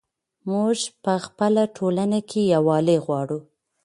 موږ په خپله ټولنه کې یووالی غواړو.